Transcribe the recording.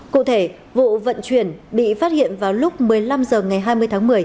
cụ thể vụ vận chuyển bị phát hiện vào lúc một mươi năm h ngày hai mươi tháng một mươi